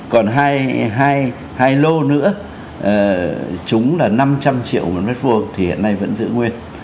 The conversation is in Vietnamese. còn hai lô nữa chúng là năm trăm triệu một mét vuông thì hiện nay vẫn giữ nguyên